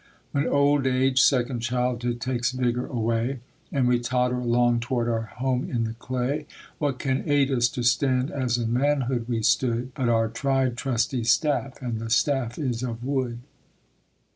When old age second childhood, takes vigor away, And we totter along toward our home in the clay, What can aid us to stand as in manhood we stood But our tried, trusty staff? and the staff is of wood.